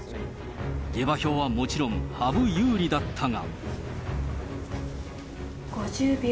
下馬評はもちろん羽生有利だったが。